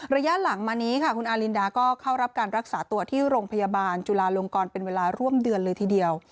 ระยะหลังมานี้ค่ะคุณอารินดาก็เข้ารับการรักษาตัวที่โรงพยาบาลจุลาลงกรเป็นเวลาร่วมเดือนเลยทีเดียว